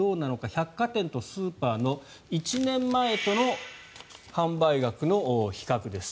百貨店とスーパーの１年前との販売額の比較です。